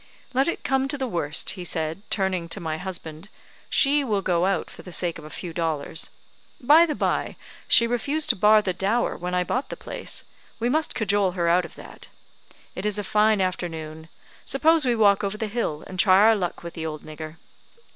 "Let it come to the worst," he said, turning to my husband, "she will go out for the sake of a few dollars. By the by, she refused to bar the dower when I bought the place; we must cajole her out of that. It is a fine afternoon; suppose we walk over the hill, and try our luck with the old nigger?"